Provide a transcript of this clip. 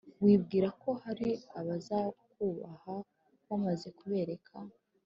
wibwira ko hari abazakwubaha wamaze kubereka